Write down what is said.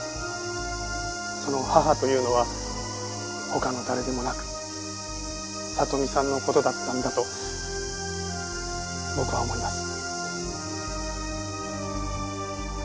その母というのは他の誰でもなく里美さんの事だったんだと僕は思います。